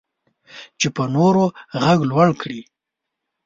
چې په نورو غږ لوړ کړي.